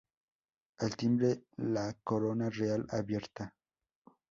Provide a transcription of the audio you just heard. Al timbre la corona real, abierta.